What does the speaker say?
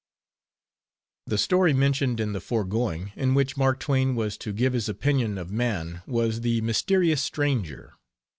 The story mentioned in the foregoing, in which Mark Twain was to give his opinion of man, was The Mysterious Stranger.